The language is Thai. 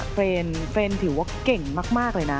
เฟรนเฟรนถือว่าเก่งมากเลยนะ